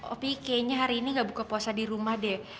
opi kayaknya hari ini gak buka puasa di rumah deh